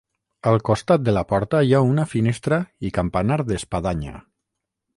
Al costat de la porta hi ha una finestra i campanar d'espadanya.